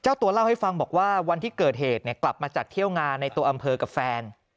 ตัวเล่าให้ฟังบอกว่าวันที่เกิดเหตุกลับมาจากเที่ยวงานในตัวอำเภอกับแฟน